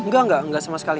nggak nggak nggak sama sekali